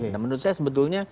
dan menurut saya sebetulnya